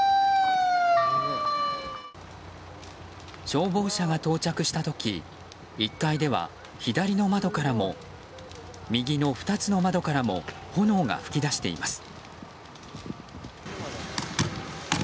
消防車が到着した時１階では左の窓からも右の２つの窓からも炎が噴き出しています。